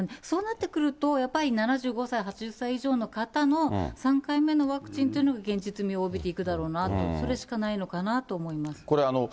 そうなってくると、やっぱり７５歳、８０歳以上の方の３回目のワクチンというのが現実味を帯びていくだろうなと、それしかないのかなと思いますけど。